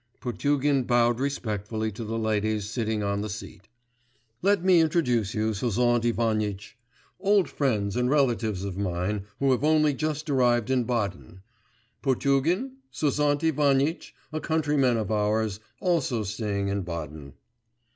Potugin bowed respectfully to the ladies sitting on the seat. 'Let me introduce you, Sozont Ivanitch. Old friends and relatives of mine, who have only just arrived in Baden. Potugin, Sozont Ivanitch, a countryman of ours, also staying in Baden.